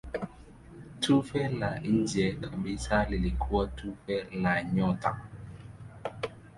Tufe la nje kabisa lilikuwa tufe la nyota.